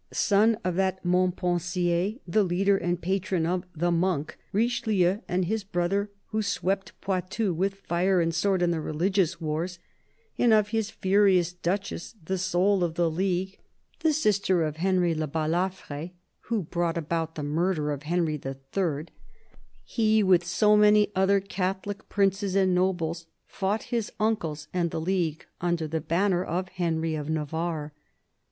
Son of that Mont pensier, the leader and patron of " the Monk " Richelieu and his brother, who swept Poitou with fire and sword in the religious wars, and of his furious Duchess, the soul of the League, the sister of Henry le Balafre, who brought about the murder of Henry III., he, with so many other Catholic princes and nobles, fought his uncles and the League under the banner of Henry of Navarre.